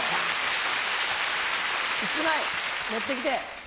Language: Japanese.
１枚持ってきて。